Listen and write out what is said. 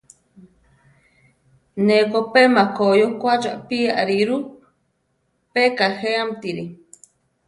Ne ko pe makói okwá chopí ariru, pe kajéamtiri.